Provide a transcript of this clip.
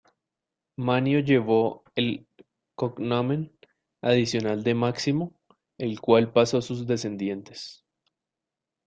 Manio llevó el "cognomen" adicional de Máximo, el cual pasó a sus descendientes.